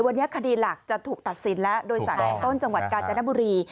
วันนี้คดีหลักจะถูกตัดสินแล้วโดยสารชั้นต้นจังหวัดกาญจนบุรี